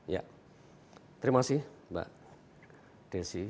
ya terima kasih mbak desi